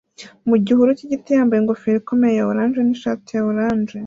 mu gihuru cy'igiti yambaye ingofero ikomeye ya orange n'ishati ya orange